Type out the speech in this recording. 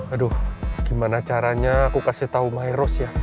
aduh gimana caranya aku kasih tau mayros ya